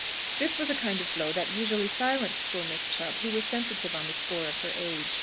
'" This was a kind of blow that usually silenced poor Miss Chubb, who was sensitive on the score of her age.